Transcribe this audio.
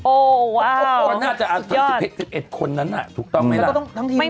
โอ้วว้าวน่าจะถึง๑๑คนนั้นน่ะถูกต้องไหมล่ะ